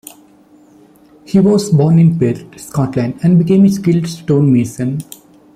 He was born in Perth, Scotland and became a skilled stonemason.